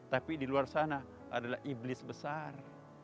tapi di luar sana adalah iblis besar